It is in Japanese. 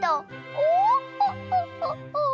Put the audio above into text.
オーホホホホホ。